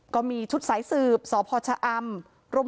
ก็มีชุดสายสืบสพชะอำ